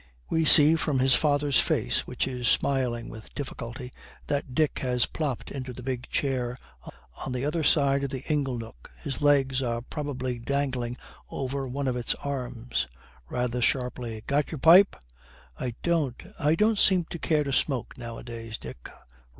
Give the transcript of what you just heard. We see from his father's face which is smiling with difficulty that Dick has plopped into the big chair on the other side of the ingle nook. His legs are probably dangling over one of its arms. Rather sharply, 'Got your pipe?' 'I don't I don't seem to care to smoke nowadays, Dick.'